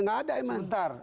nggak ada ya bentar